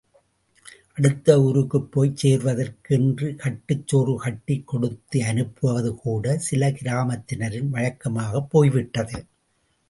அடுத்த ஊருக்குப் போய்ச் சேர்வதற்கு என்று கட்டுச் சோறு கட்டிக் கொடுத்தனுப்புவது கூட, சில கிராமத்தினரின் வழக்கமாய்ப் போய்விட்டது.